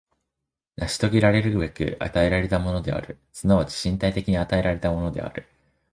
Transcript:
成し遂げらるべく与えられたものである、即ち身体的に与えられたものである。